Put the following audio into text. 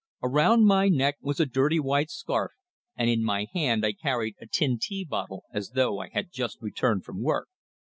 Around my neck was a dirty white scarf and in my hand I carried a tin tea bottle as though I had just returned from work.